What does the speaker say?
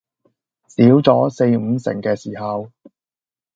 少咗四五成嘅時候